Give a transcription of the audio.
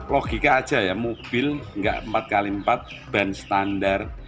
logika aja ya mobil enggak empat x empat ban standar